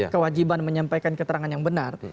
kewajiban menyampaikan keterangan yang benar